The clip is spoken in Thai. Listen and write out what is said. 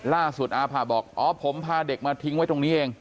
ล่าสุดอาภาบอกอ๋อผมพาเด็กมาทิ้งไว้ตรงนี้เอง